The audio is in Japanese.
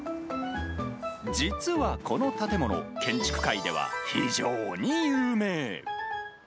実はこの建物、建築界では非常に有名。